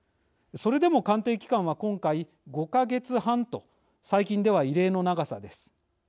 それでも鑑定期間は今回５か月半と最近では異例の長さです。